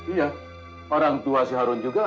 iya orang tua si harun juga